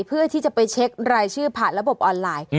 เพื่อที่จะไปเช็ครายชื่อผ่านระบบออนไลน์